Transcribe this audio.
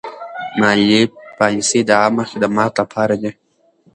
مالي پالیسي د عامه خدماتو لپاره ده.